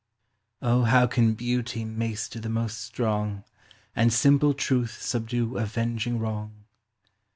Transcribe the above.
* O how can beautie maister the most strong, And simple truth subdue avenging wrong